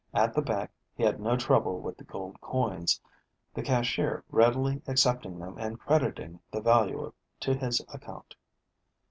At the bank he had no trouble with the gold coins, the cashier readily accepting them and crediting the value to his account.